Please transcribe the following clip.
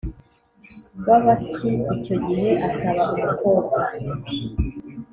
w’abasyi icyo gihe, asaba umukobwa